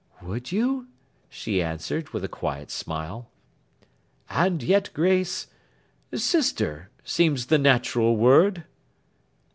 'Would you?' she answered with a quiet smile. 'And yet, Grace—Sister, seems the natural word.